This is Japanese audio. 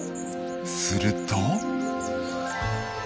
すると。